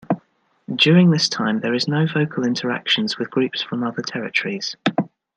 During this time, there is no vocal interactions with groups from other territories.